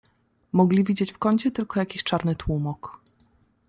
"Mogli widzieć w kącie tylko jakiś czarny tłumok."